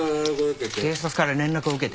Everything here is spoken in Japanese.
警察から連絡を受けて。